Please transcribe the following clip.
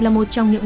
là một trong những